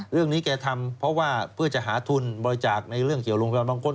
แกทำเพราะว่าเพื่อจะหาทุนบริจาคในเรื่องเกี่ยวโรงพยาบาลบางคน